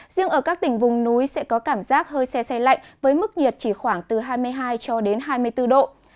riêng ở các tỉnh vùng núi sẽ có cảm giác hơi xe xe lạnh với mức nhiệt chỉ khoảng từ hai mươi hai cho đến hai mươi bốn độ